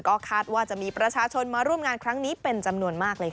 ก็คาดว่าจะมีประชาชนมาร่วมงานครั้งนี้เป็นจำนวนมากเลยค่ะ